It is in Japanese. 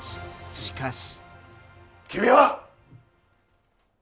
しかし。